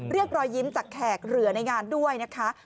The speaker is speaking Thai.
รอยยิ้มจากแขกเหลือในงานด้วยนะคะ